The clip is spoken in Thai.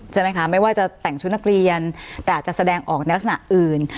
ใช่ไหมคะไม่ว่าจะแต่งชุดนักเรียนแต่อาจจะแสดงออกในลักษณะอื่น